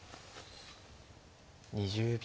２０秒。